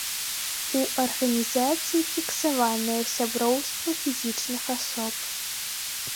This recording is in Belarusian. У арганізацыі фіксаванае сяброўства фізічных асоб.